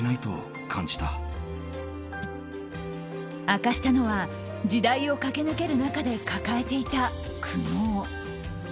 明かしたのは時代を駆け抜ける中で抱えていた苦悩。